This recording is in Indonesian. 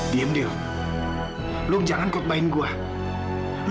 dan kamu akan bahwa saya handal